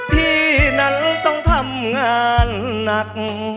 พี่นั้นต้องทำงานหนัก